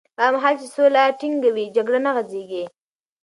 هغه مهال چې سوله ټینګه وي، جګړه نه غځېږي.